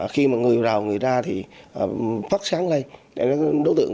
khi người vào người ra thì phát sáng lên đối tượng cũng có thể dài bớt